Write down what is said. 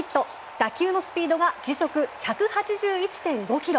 打球のスピードが時速１８１．５ｋｍ。